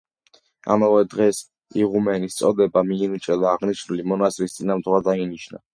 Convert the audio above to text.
ამავე დღეს იღუმენის წოდება მიენიჭა და აღნიშნული მონასტრის წინამძღვრად დაინიშნა.